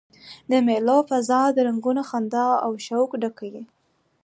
د مېلو فضا د رنګونو، خندا او شوق ډکه يي.